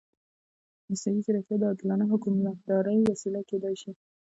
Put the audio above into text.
مصنوعي ځیرکتیا د عادلانه حکومتدارۍ وسیله کېدای شي.